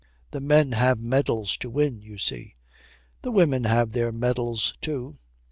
'The men have medals to win, you see.' 'The women have their medals, too.'